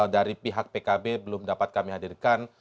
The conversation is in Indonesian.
dari pihak pkb belum dapat kami hadirkan